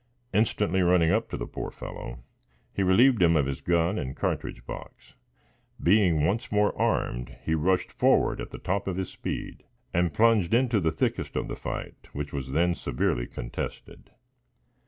Instantly running up to the poor fellow, he relieved him of his gun and cartridge box. Being once more armed, he rushed forward at the top of his speed and plunged into the thickest of the fight, which was then severely contested.